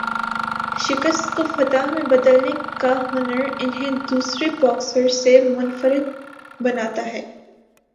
شکست کو فتح میں بدلنے کا ہنر انہیں دوسرے باکسروں سے منفرد بناتا ہے